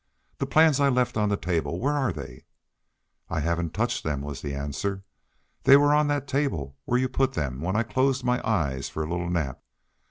"The plans I left on the table! Where are they?" "I haven't touched them," was the answer. "They were on that table, where you put them, when I closed my eyes for a little nap.